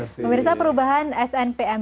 selamat sore terima kasih